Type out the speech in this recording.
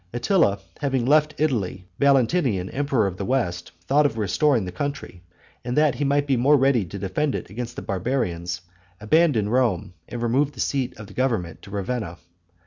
Attila having left Italy, Valentinian, emperor of the west, thought of restoring the country; and, that he might be more ready to defend it against the barbarians, abandoned Rome, and removed the seat of government to Ravenna.